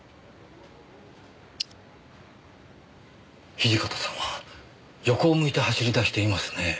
土方さんは横を向いて走り出していますねぇ。